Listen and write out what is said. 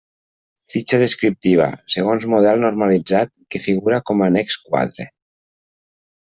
Fitxa descriptiva, segons model normalitzat que figura com a annex quatre.